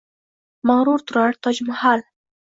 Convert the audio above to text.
Mag’rur turar Tojmahal…